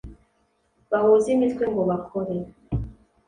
bahuze imitwe ngo bakore